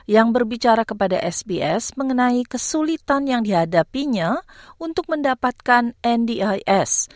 yang berbicara kepada sbs mengenai kesulitan yang dihadapinya untuk mendapatkan ndis